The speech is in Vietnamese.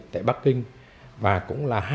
tại bắc kinh và cũng là